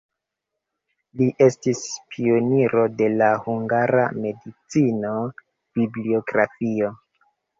Li estis pioniro de la hungara medicino-bibliografio.